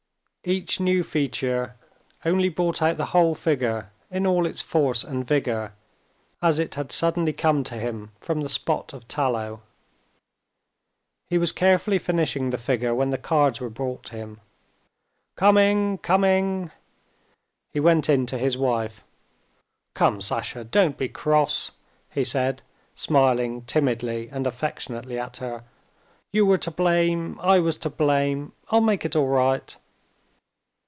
Each new feature only brought out the whole figure in all its force and vigor, as it had suddenly come to him from the spot of tallow. He was carefully finishing the figure when the cards were brought him. "Coming, coming!" He went in to his wife. "Come, Sasha, don't be cross!" he said, smiling timidly and affectionately at her. "You were to blame. I was to blame. I'll make it all right."